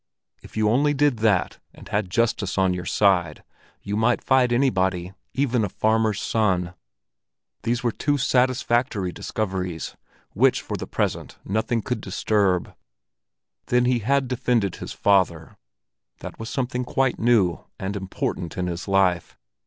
If you only did that, and had justice on your side, you might fight anybody, even a farmer's son. These were two satisfactory discoveries, which for the present nothing could disturb. Then he had defended his father; that was something quite new and important in his life.